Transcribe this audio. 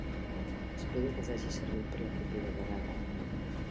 Espero que els haja servit per a la propera vegada.